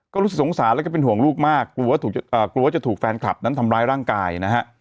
ก็รู้สึกสงสารแล้วก็เป็นห่วงลูกมากกลัวว่าจะถูกแฟนคลับนั้นทำร้ายร่างกายนะฮะ